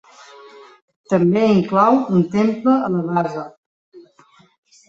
També inclou un temple a la base.